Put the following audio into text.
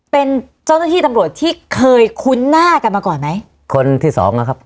เป็นเจ้าหน้าที่ตำรวจที่เคยคุ้นหน้ากันมาก่อนไหมคนที่สองนะครับ